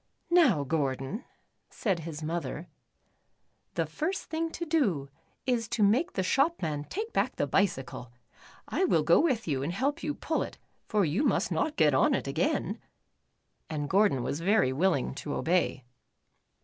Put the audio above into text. "Now, Gordon," said his mother, "the first thing to do is to make the shop man take back the bicycle. I will go with you and help you pull it, for you must not get on it again," and Gordon was very willing to obey.